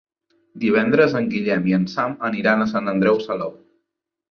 Divendres en Guillem i en Sam aniran a Sant Andreu Salou.